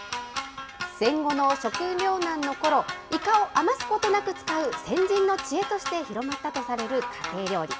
戦後の食糧難のころ、イカを余すことなく使う先人の知恵として広まったとされる家庭料理。